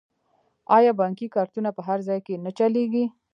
آیا بانکي کارتونه په هر ځای کې نه چلیږي؟